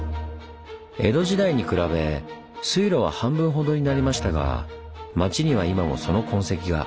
江戸時代に比べ水路は半分ほどになりましたが町には今もその痕跡が。